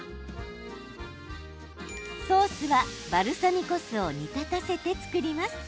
ソースはバルサミコ酢を煮立たせて作ります。